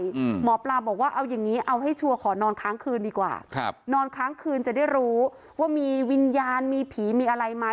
อืมหมอปลาบอกว่าเอาอย่างงี้เอาให้ชัวร์ขอนอนค้างคืนดีกว่าครับนอนค้างคืนจะได้รู้ว่ามีวิญญาณมีผีมีอะไรไหม